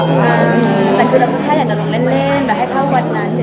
แต่ถ้าอยากจะลงเล่น